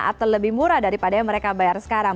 atau lebih murah daripada yang mereka bayar sekarang